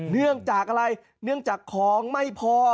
เหนื่องจากอะไรเงินจากของไม่พอ